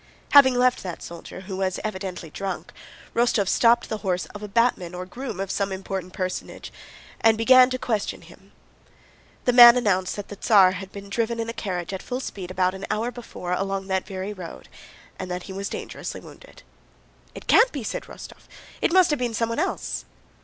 Having left that soldier who was evidently drunk, Rostóv stopped the horse of a batman or groom of some important personage and began to question him. The man announced that the Tsar had been driven in a carriage at full speed about an hour before along that very road and that he was dangerously wounded. "It can't be!" said Rostóv. "It must have been someone else."